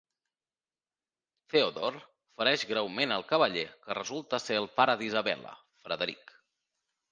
Theodore fereix greument el cavaller, que resulta ser el pare d'Isabella, Frederic.